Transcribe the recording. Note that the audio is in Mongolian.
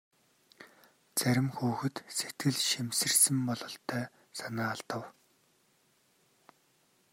Зарим хүүхэд сэтгэл шимширсэн бололтой санаа алдав.